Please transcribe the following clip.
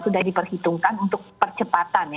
sudah diperhitungkan untuk percepatan